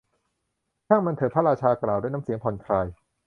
ช่างมันเถอะ พระราชากล่าว ด้วยน้ำเสียงผ่อนคลาย